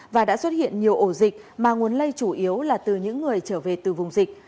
và đã xuất hiện nhiều ổ dịch mà nguồn lây chủ yếu là từ những người trở về từ vùng dịch